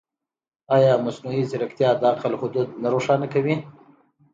ایا مصنوعي ځیرکتیا د عقل حدود نه روښانه کوي؟